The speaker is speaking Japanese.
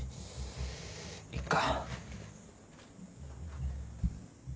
いっか。